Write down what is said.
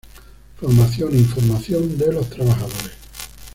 Formación e información de los trabajadores.